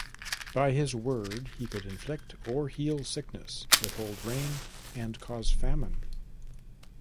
By his word he could inflict or heal sickness, withhold rain, and cause famine.